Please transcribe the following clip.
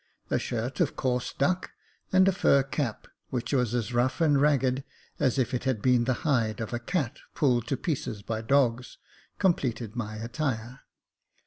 A shirt of coarse duck, and a fur cap, which was as rough and ragged as if it had been the hide of a cat pulled to pieces by dogs, completed my attire.